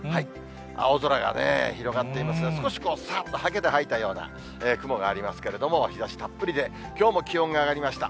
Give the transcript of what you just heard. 青空がね、広がっていますが、少しさーっとはけではいたような雲がありますけれども、日ざしたっぷりで、きょうも気温が上がりました。